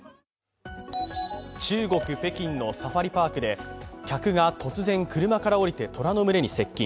中国・北京のサファリパークで客が突然、車から降りて虎の群れに接近。